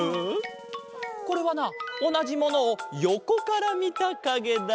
これはなおなじものをよこからみたかげだ！